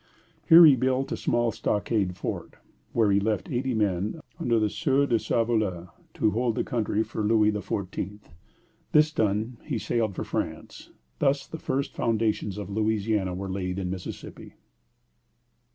Here he built a small stockade fort, where he left eighty men, under the Sieur de Sauvolle, to hold the country for Louis XIV.; and this done, he sailed for France. Thus the first foundations of Louisiana were laid in Mississippi.